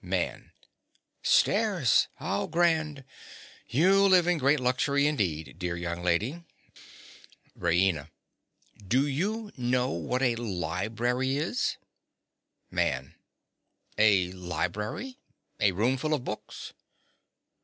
MAN. Stairs! How grand! You live in great luxury indeed, dear young lady. RAINA. Do you know what a library is? MAN. A library? A roomful of books.